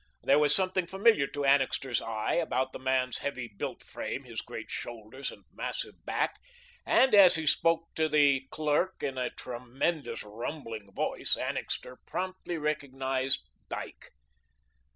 There was something familiar to Annixter's eye about the man's heavy built frame, his great shoulders and massive back, and as he spoke to the clerk in a tremendous, rumbling voice, Annixter promptly recognised Dyke.